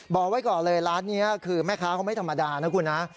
บอกไว้ก่อนเลยร้านนี้คือแม่ค้าเขาไม่ธรรมดานะคุณนะ